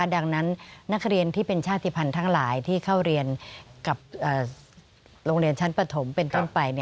ดังนั้นนักเรียนที่เป็นชาติภัณฑ์ทั้งหลายที่เข้าเรียนกับโรงเรียนชั้นปฐมเป็นต้นไป